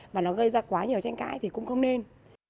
và nó gây ra quá nhiều tranh cãi thì cũng không nên